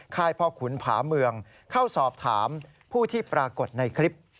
พ่อขุนผาเมืองเข้าสอบถามผู้ที่ปรากฏในคลิป